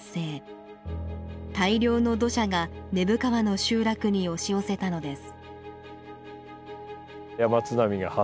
大量の土砂が根府川の集落に押し寄せたのです。